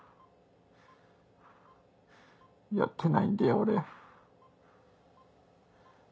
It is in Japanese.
やってないんだよ俺。